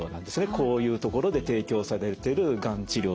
こういう所で提供されてるがん治療というのは。